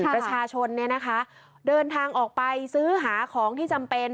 ประชาชนเดินทางออกไปซื้อหาของที่จำเป็น